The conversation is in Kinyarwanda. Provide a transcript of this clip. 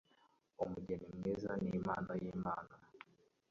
umugeni mwiza n'impano y;imana